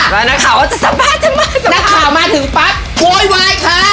แล้วนักข่าวจะสบายสบายสบายนักข่าวมาถึงปั๊บโว้ยวายค่ะ